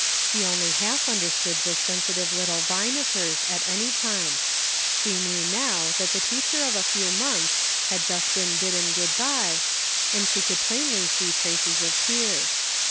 She only half understood this sensitive little Vine of hers at any time ; she knew now that the teacher of a few months had just been bidden good by, and she could plainly see traces of tears.